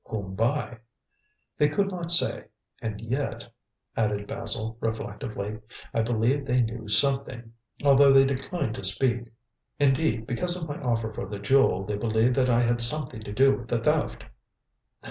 "Whom by?" "They could not say. And yet," added Basil reflectively, "I believe they knew something, although they declined to speak. Indeed, because of my offer for the jewel, they believed that I had something to do with the theft."